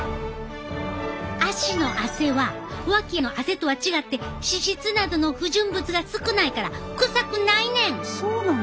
足の汗は脇の汗とは違って脂質などの不純物が少ないからくさくないねん！